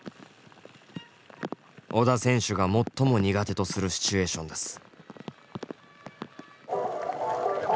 織田選手が最も苦手とするシチュエーションです。